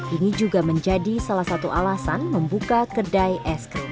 ini juga menjadi salah satu alasan membuka kedai es krim